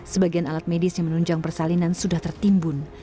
sebagian alat medis yang menunjang persalinan sudah tertimbun